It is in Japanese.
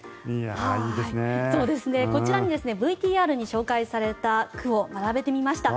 こちらにＶＴＲに紹介された句を並べてみました。